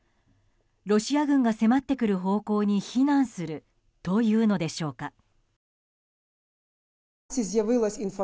ロシア軍が迫ってくる方向に避難するというのでしょうか。